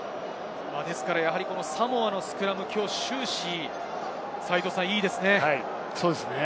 サモアのスクラム、きょう終始いいですね。